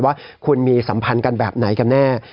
ว่าคุณมีสัมพันธ์กันแบบไหนกันแน่